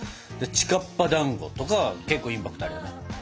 「ちかっぱだんご」とかはけっこうインパクトあるよね。